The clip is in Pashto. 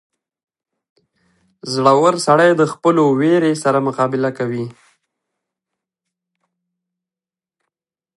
• زړور سړی د خپلو وېرې سره مقابله کوي.